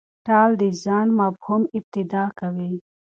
ټال د ځنډ مفهوم افاده کوي.